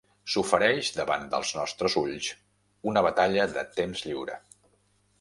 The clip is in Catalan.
S'ofereix davant dels nostres ulls una batalla de temps lliure.